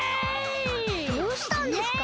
どうしたんですか？